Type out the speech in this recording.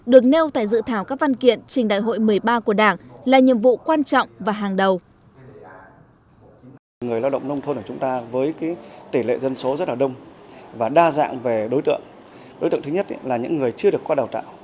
được nêu tại dự thảo các văn kiện trình đại hội một mươi ba của đảng là nhiệm vụ quan trọng và hàng đầu